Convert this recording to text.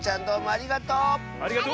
ありがとう！